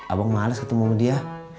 abang males ketemu sama dia